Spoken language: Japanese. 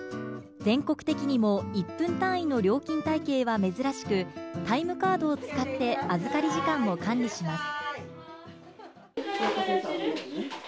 全国的にも１分単位の料金体系は珍しく、タイムカードを使って預かり時間を管理します。